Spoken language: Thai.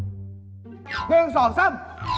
หนึ่งสองซ่ำ